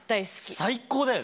最高だよね？